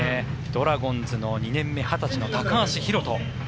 ドラゴンズの２年目２０歳の高橋宏斗。